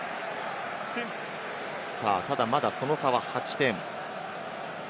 ただ、まだその差は８点。